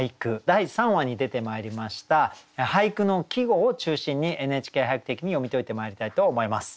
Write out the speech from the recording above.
第３話に出てまいりました俳句の季語を中心に「ＮＨＫ俳句」的に読み解いてまいりたいと思います。